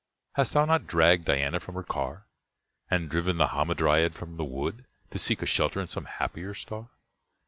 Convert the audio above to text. Hast thou not dragged Diana from her car? And driven the Hamadryad from the wood To seek a shelter in some happier star?